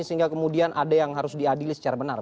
sehingga kemudian ada yang harus diadili secara benar